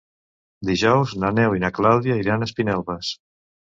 Dijous na Neus i na Clàudia iran a Espinelves.